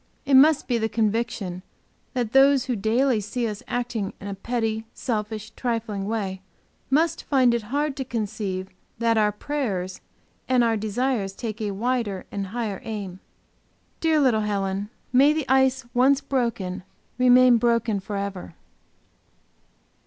It must be the conviction that those who daily see us acting in a petty, selfish, trifling way, must find it hard to conceive that our prayers and our desires take a wider and higher aim. Dear little Helen! May the ice once broken remain broken forever.